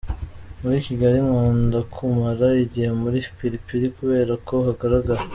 Muri Kigali nkunda kumara igihe muri Pili Pili kubera uko hagaragara.